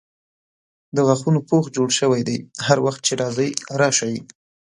د غاښونو پوښ جوړ سوی دی هر وخت چې راځئ راسئ.